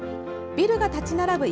ビルが立ち並ぶ